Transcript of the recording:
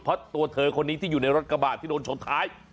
เพราะตัวเธอคนนี้ที่อยู่ในรถกระบาดที่โดนชนท้าย